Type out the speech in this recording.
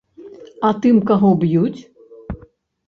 А тым, каго б'юць?